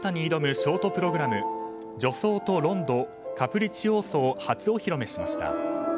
ショートプログラム「序奏とロンド・カプリチオーソ」を初披露しました。